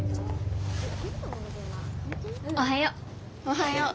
おはよう。